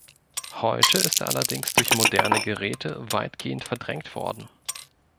Heute ist er allerdings durch moderne Geräte weitgehend verdrängt worden.